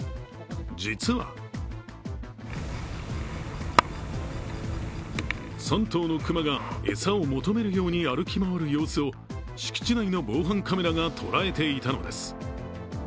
実は、３頭の熊が餌を求めるように歩き回る様子を敷地内の防犯カメラが捉えていたのです。